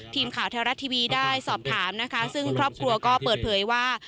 ทีมข่าวแท้รัฐทีวีได้สอบถามนะคะซึ่งครอบครัวก็เปิดเผยว่า